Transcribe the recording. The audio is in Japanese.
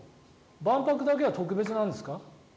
万博だけは特別なんですか？